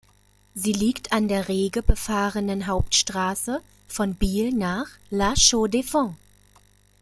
Sie liegt an der rege befahrenen Hauptstrasse von Biel nach La Chaux-de-Fonds.